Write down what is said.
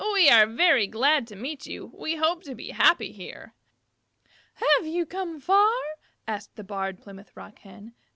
"We are very glad to meet you. We hope to be happy here." "Have you come far?" asked the Barred Plymouth Rock Hen.